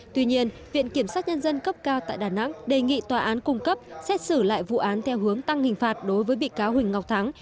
tuy nhiên viện kiểm sát nhân dân cấp cao tại đà nẵng đề nghị tòa án cung cấp xét xử lại vụ án theo hướng tăng hình phạt đối với bị cáo huỳnh ngọc thắng